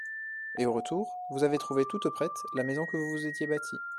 Et au retour, vous avez trouvé toute prête la maison que vous vous étiez bâtie.